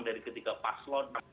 dari ketika paslon